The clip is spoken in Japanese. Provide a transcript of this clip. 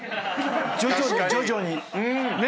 徐々に徐々にね。